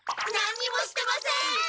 何にもしてません！